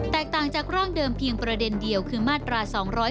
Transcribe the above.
ต่างจากร่างเดิมเพียงประเด็นเดียวคือมาตรา๒๗